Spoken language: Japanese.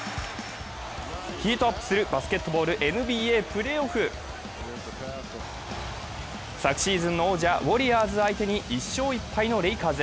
ヒートアップするバスケットボール・ＮＢＡプレーオフ。昨シーズンの王者ウォリアーズ相手に１勝１敗のレイカーズ。